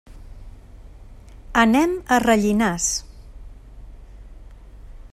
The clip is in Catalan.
Anem a Rellinars.